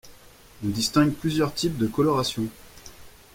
On distingue plusieurs types de coloration.